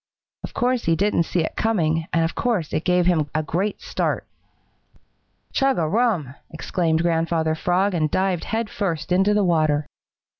Of course he didn't see it coming, and of course it gave him a great start. "Chug a rum!" exclaimed Grandfather Frog and dived head first into the water.